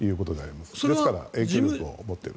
ですから権限を持っていると。